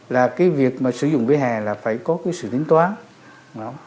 là cái việc mà sử dụng vẻ hẻ là phải có cái sự tính toán